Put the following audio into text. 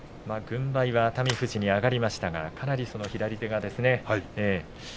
軍配は熱海富士に上がりましたがかなり左手が。